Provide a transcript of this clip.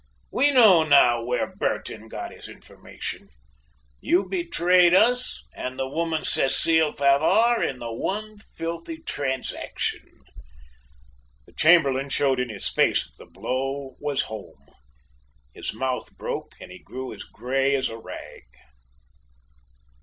We know now where Bertin got his information. You betrayed us and the woman Cecile Favart in the one filthy transaction." The Chamberlain showed in his face that the blow was home. His mouth broke and he grew as grey as a rag.